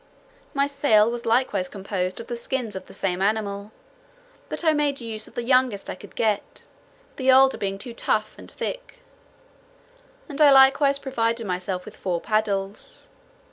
My sail was likewise composed of the skins of the same animal; but I made use of the youngest I could get, the older being too tough and thick; and I likewise provided myself with four paddles.